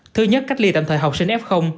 thứ nhất cách ly tạm thời học sinh f